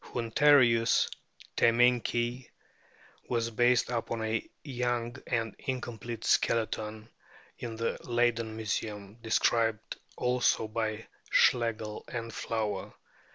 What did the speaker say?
Hunter ins temminckii was based upon a young and incomplete skeleton in the Leyden Museum, described also by Schlegel and Flower.